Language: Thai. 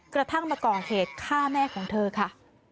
กระทั่งมาก่อเหตุฆ่าแม่ของเธอค่ะ